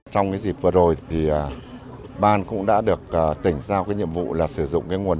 trong dịp vừa rồi ban cũng đã được tỉnh giao nhiệm vụ sử dụng nguồn vốn của tỉnh